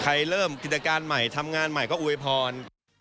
เริ่มกิจการใหม่ทำงานใหม่ก็อวยพร